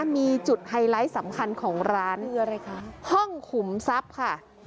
มีจุดไฮไลท์สำคัญของร้านคืออะไรคะห้องขุมทรัพย์ค่ะ